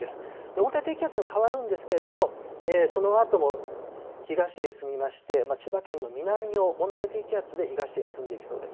温帯低気圧に変わるんですがそのあとも東へ進みまして千葉県の南を温帯低気圧で東へ進んでいきそうです。